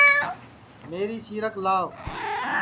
میری سیرک لاوَ